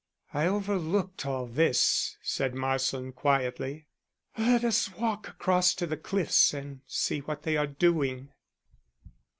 "I overlooked all this," said Marsland quietly. "Let us walk across to the cliffs and see what they are doing."